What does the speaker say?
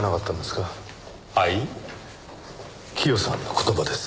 洌さんの言葉です。